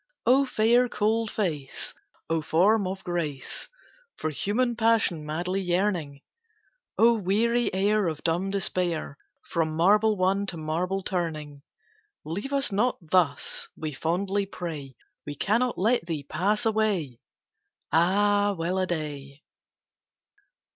O fair cold face! O form of grace, For human passion madly yearning! O weary air of dumb despair, From marble won, to marble turning! "Leave us not thus!" we fondly pray. "We cannot let thee pass away!" Ah, well a day!